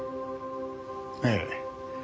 ええ。